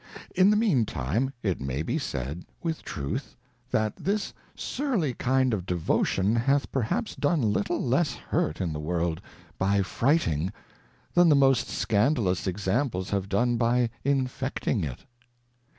In the mean time it may be said with truth. That this surly kind of Devotion hath perhaps done little less imrt in the World, by frighting, than the most scandalous Examples have done by infecting it.